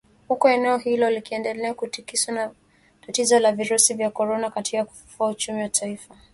Huku eneo hilo likiendelea kutikiswa na tatizo la virusi vya korona katika kufufua uchumi wa taifa.